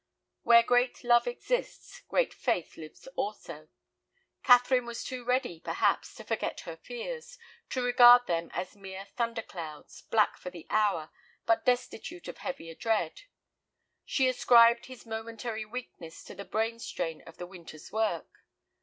Where great love exists, great faith lives also. Catherine was too ready, perhaps, to forget her fears, to regard them as mere thunder clouds, black for the hour, but destitute of heavier dread. She ascribed his momentary weakness to the brain strain of the winter's work.